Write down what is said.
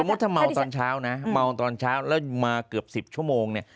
ถ้าเมาตอนเช้านะเมาตอนเช้าแล้วมาเกือบ๑๐ชั่วโมงเนี่ย